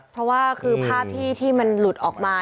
เพราะว่าคือภาพที่มันหลุดออกมา